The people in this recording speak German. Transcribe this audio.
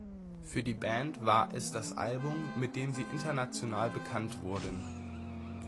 Für die Band war es das Album, mit dem sie international bekannt wurden.